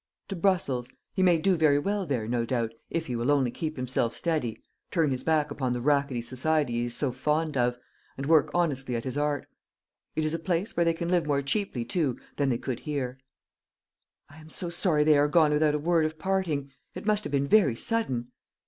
"To Brussels. He may do very well there, no doubt, if he will only keep himself steady turn his back upon the rackety society he is so fond of and work honestly at his art. It is a place where they can live more cheaply, too, than they could here." "I am so sorry they are gone without a word of parting. It must have been very sudden."